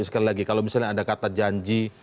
sekali lagi kalau misalnya ada kata janji